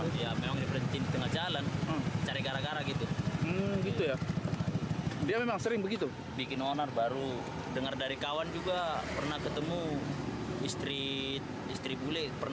dia memang sering begitu